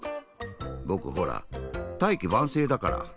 ぼくほら大器晩成だから。